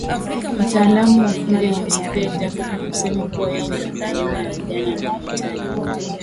Mtaalamu wa ufundi alimsifia Jacob na kusema kuwa yeye ndio aina ya vijana anawahitaji